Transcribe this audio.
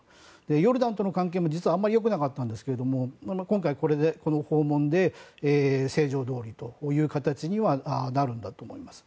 ヨルダンとの関係も実はあまり良くなかったんですけど今回、この訪問で正常に戻るという形にはなるんだと思います。